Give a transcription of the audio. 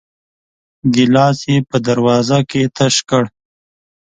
ګيلاس يې په دروازه کې تش کړ.